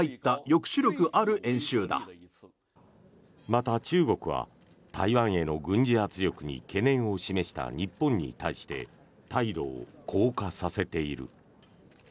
また、中国は台湾への軍事圧力に懸念を示した日本に対して態度を硬化させている。